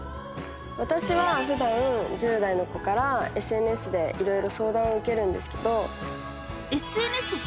私はふだん１０代の子からＳＮＳでいろいろ相談を受けるんですけど。